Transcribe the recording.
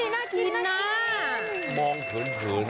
น่ากินน่ามองเหิน